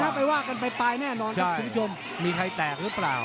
ทำเดิมเข้ากันไปไม่แตกหรือเปล่า